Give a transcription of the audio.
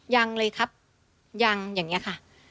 ยังเลยครับยังอย่างนี้ค่ะ